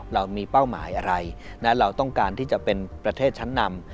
เรามีเป้าหมายอะไรและเราต้องการที่จะเป็นประเทศชั้นนำ